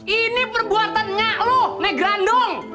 ini perbuatan gak lu negerandung